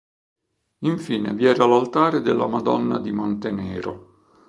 Infine vi era l'altare della Madonna di Montenero.